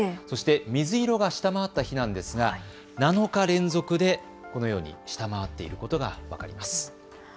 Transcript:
そして水色が下回った日なんですが７日連続でこのように下回っていることが分かります。